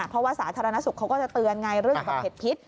เพราะว่าศาษณฐานสุขก็จะเตือนไงเรื่องกับเห็ดพิษ